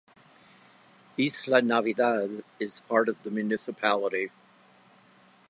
Isla Natividad is part of the municipality.